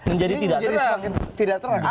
menjadi tidak terang